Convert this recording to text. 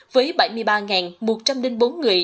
với bảy mươi ba một trăm linh bốn người